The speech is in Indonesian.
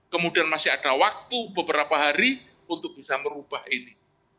kemudian masih ada waktu beberapa hari untuk bisa merubah ini